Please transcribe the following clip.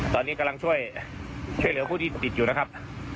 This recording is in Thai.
ตอนนี้กำลังช่วยเหลือผู้ที่ติดอยู่นะครับ